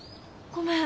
ごめん。